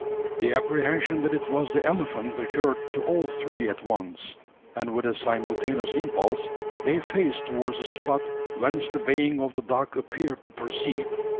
The apprehension that it was the elephant occurred to all three at once; and with a simultaneous impulse they faced towards the spot whence the baying of the dog appeared to proceed.